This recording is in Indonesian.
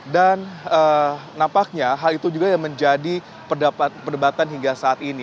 dan nampaknya hal itu juga yang menjadi perdebatan hingga saat ini